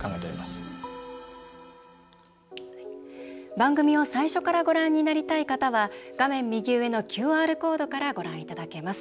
番組を最初からご覧になりたい方は画面右上のＱＲコードからご覧いただけます。